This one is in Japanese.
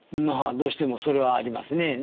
どうしてもそれはありますね。